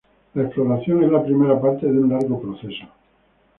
La exploración es la primera parte de un largo proceso.